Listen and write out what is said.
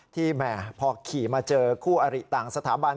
แหมพอขี่มาเจอคู่อริต่างสถาบัน